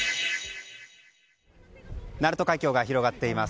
鳴門海峡が広がっています。